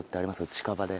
近場で。